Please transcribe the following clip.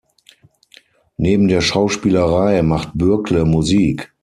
Neben der Schauspielerei macht Bürkle Musik.